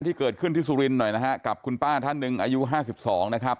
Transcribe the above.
ที่เกิดขึ้นที่สุรินทร์หน่อยนะฮะกับคุณป้าท่านหนึ่งอายุห้าสิบสองนะครับ